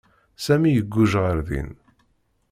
Sami iguǧǧ ɣer din.